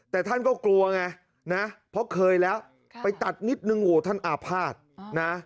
แต่ท่านก็กลัวไงนะเพราะเคยแล้วไปตัดนิดนึงโอ้โหท่านอาภาษณ์นะ